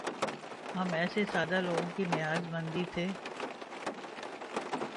ہم ایسے سادہ دلوں کی نیاز مندی سے